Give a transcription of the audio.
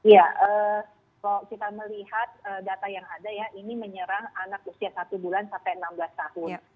ya kalau kita melihat data yang ada ya ini menyerang anak usia satu bulan sampai enam belas tahun